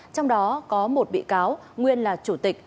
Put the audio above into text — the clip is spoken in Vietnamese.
trong đó có một bị cáo nguyên là chủ tịch